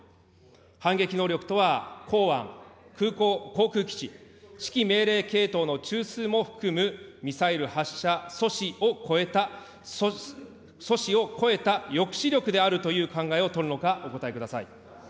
反撃能力とは港湾、空港、航空基地、指揮命令系統の中枢も含むミサイル発射阻止を超えた、阻止を超えた抑止力であるという考えを取るのか、お考えください。